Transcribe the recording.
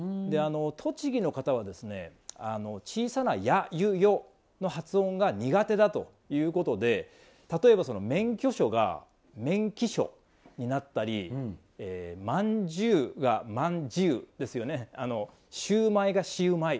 栃木の方は、小さな「ゃゅょ」の発音が苦手だということで例えば免許証が「めんきしょ」になったり「まんじゅう」が「まんじう」「シューマイ」が「シウマイ」。